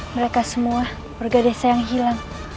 mereka semua purga desa and hilang